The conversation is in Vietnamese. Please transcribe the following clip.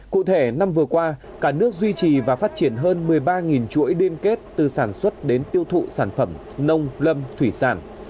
cụ thể năm vừa qua cả nước duy trì và phát triển hơn một mươi ba chuỗi liên kết từ sản xuất đến tiêu thụ sản phẩm nông lâm thủy sản